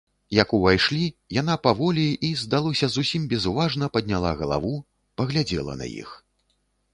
Як увайшлі, яна паволі і, здалося, зусім безуважна падняла галаву, паглядзела на іх.